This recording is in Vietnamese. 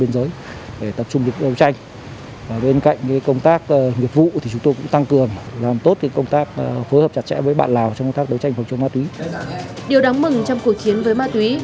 điều đáng mừng trong cuộc chiến với ma túy